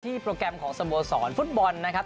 ที่โปรแกรมของสัมโวศรฟุตบอลนะครับ